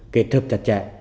kết hợp chặt chẽ